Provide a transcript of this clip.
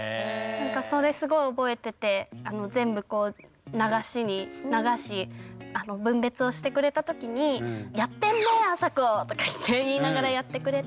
なんかそれすごい覚えてて全部こう流しに流し分別をしてくれた時にとかって言いながらやってくれて。